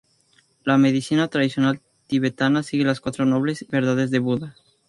La medicina tradicional tibetana sigue las Cuatro Nobles Verdades de Buda.